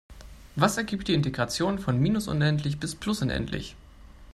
Was ergibt die Integration von minus unendlich bis plus unendlich?